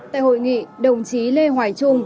tại hội nghị đồng chí lê hoài trung